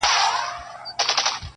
دوی پښتون غزل منلی په جهان دی,